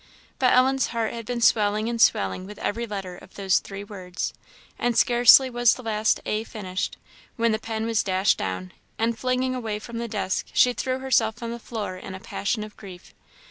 But Ellen's heart had been swelling and swelling with every letter of those three words, and scarcely was the last "a" finished, when the pen was dashed down, and flinging away from the desk, she threw herself on the floor in a passion of grief.